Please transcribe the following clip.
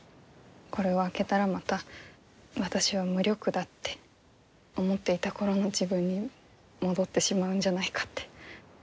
これを開けたらまた私は無力だって思っていた頃の自分に戻ってしまうんじゃないかって。